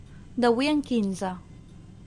D'avui en quinze.